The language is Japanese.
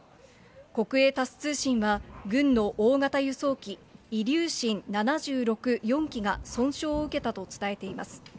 国営タス通信は軍の大型輸送機、イリューシン７６、４機が損傷を受けたと伝えています。